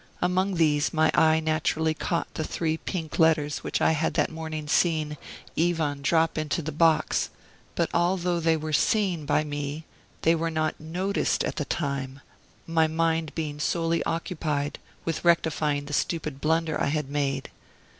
Among these my eye naturally caught the three pink letters which I had that morning seen Ivan drop into the box; but although they were SEEN by me they were not NOTICED at the time, my mind being solely occupied with rectifying the stupid blunder I had made.